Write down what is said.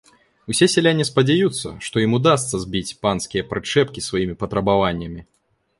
Усе сяляне спадзяюцца, што ім удасца збіць панскія прычэпкі сваімі патрабаваннямі.